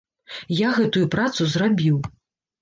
Я гэтую працу зрабіў.